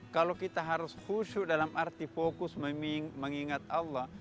kalau kita harus khusyuk dalam arti fokus mengingat allah